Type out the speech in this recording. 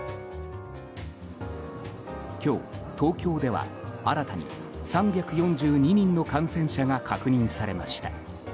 今日、東京では新たに３４２人の感染者が確認されました。